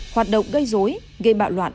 hoạt động gây dối gây bạo loạn